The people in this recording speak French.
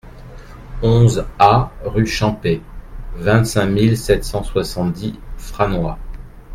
onze A rue Champey, vingt-cinq mille sept cent soixante-dix Franois